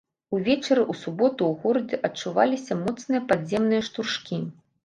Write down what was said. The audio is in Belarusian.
Увечары ў суботу ў горадзе адчуваліся моцныя падземныя штуршкі.